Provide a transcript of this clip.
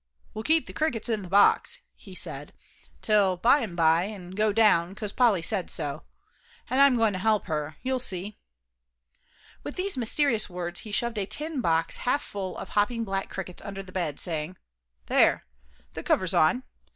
"We'll keep the crickets in the box," he said, "till by'n by, an' go down, 'cause Polly said so. And I'm goin' to help her; you'll see." With these mysterious words he shoved a tin box half full of hopping black crickets under the bed, saying, "There, the cover's on.